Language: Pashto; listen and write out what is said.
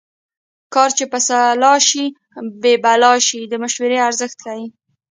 کار چې په سلا شي بې بلا شي د مشورې ارزښت ښيي